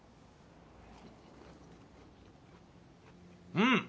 うん！